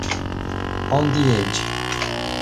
On the Edge